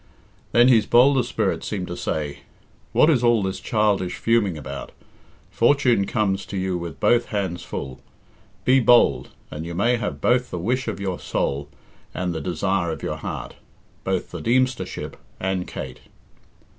Then his bolder spirit seemed to say, "What is all this childish fuming about? Fortune comes to you with both hands full. Be bold, and you may have both the wish of your soul and the desire of your heart both the Deemster ship and Kate."